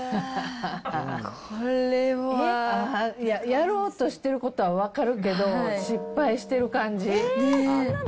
やろうとしてることは分かるけど、失敗してる感じ。ねぇ。